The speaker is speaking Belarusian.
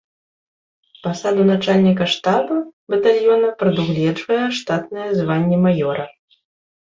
Пасаду начальніка штаба батальёна прадугледжвае штатнае званне маёра.